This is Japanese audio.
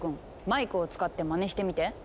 マイクを使ってまねしてみて。